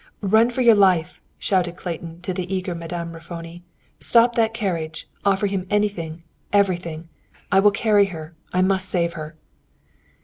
"Run for your life!" shouted Clayton to the eager Madame Raffoni. "Stop that carriage. Offer him anything, everything! I will carry her. I must save her."